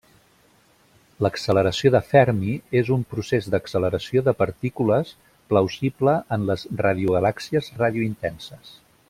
L'acceleració de Fermi és un procés d'acceleració de partícules plausible en les radiogalàxies ràdio-intenses.